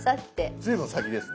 随分先ですね。